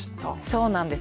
そうなんです。